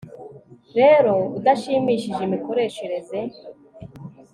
Rero udashimishije imikoreshereze